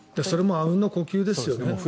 それもあうんの呼吸ですね。